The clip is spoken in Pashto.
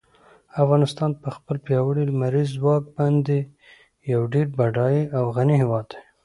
افغانستان په خپل پیاوړي لمریز ځواک باندې یو ډېر بډای او غني هېواد دی.